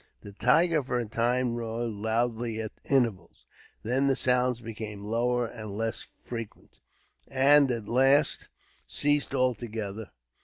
The tiger, for a time, roared loudly at intervals. Then the sounds became lower and less frequent, and at last ceased altogether.